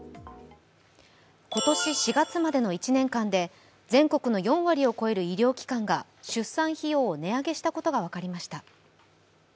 今年４月までの１年間で全国の４割を超える医療機関が出産費用を値上げしたことが分かりました。